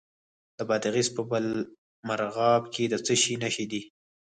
د بادغیس په بالامرغاب کې د څه شي نښې دي؟